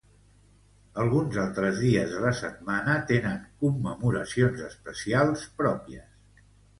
Alguns altres dies de la setmana tenen commemoracions especials pròpies.